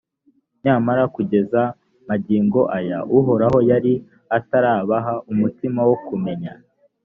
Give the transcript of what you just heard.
nyamara kugeza magingo aya, uhoraho yari atarabaha umutima wo kumenya,